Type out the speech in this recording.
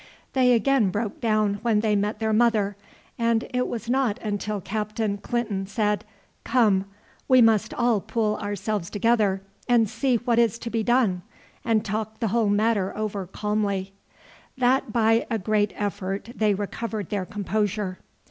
They again broke down when they met their mother; and it was not until Captain Clinton said, "Come, we must all pull ourselves together and see what is to be done, and talk the whole matter over calmly," that by a great effort they recovered their composure.